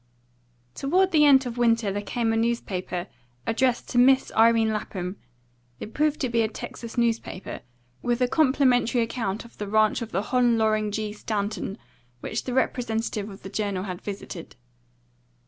TOWARD the end of the winter there came a newspaper, addressed to Miss Irene Lapham; it proved to be a Texas newspaper, with a complimentary account of the ranch of the Hon. Loring G. Stanton, which the representative of the journal had visited.